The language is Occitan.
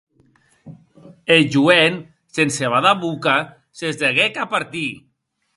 Eth joen, sense badar boca, s’esdeguèc a partir.